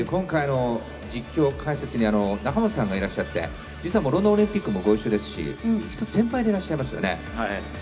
今回、実況、解説に中本さんがいらっしゃって実はロンドンオリンピックも一緒ですし１つ、先輩ですよね。